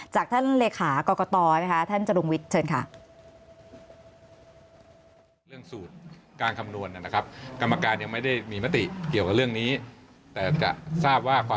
จากท่านเลขากรกตนะคะท่านจรุงวิทย์เชิญค่ะ